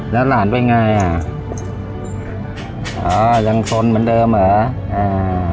แล้วหลานเป็นไงอ่ะอ่ายังสนเหมือนเดิมเหรออ่า